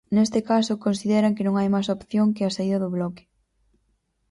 Neste caso consideran que non hai máis opción que a saída do Bloque.